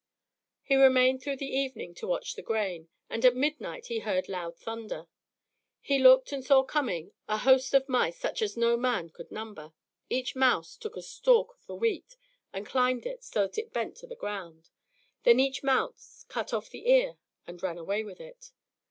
He remained through the evening to watch the grain, and at midnight he heard loud thunder. He looked and saw coming a host of mice such as no man could number; each mouse took a stalk of the wheat and climbed it, so that it bent to the ground; then each mouse cut off the ear and ran away with it.